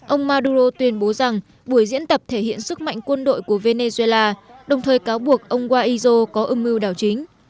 ông maduro tuyên bố rằng buổi diễn tập thể hiện sức mạnh quân đội của venezuela đồng thời cáo buộc ông guaido có âm mưu đảo chính